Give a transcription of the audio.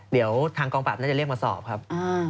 เดี๋ยวทางกองปราบน่าจะเรียกมาสอบครับ